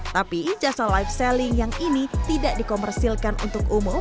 tapi jasa live selling yang ini tidak dikomersilkan untuk umum